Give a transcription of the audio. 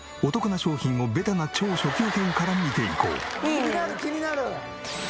気になる気になる！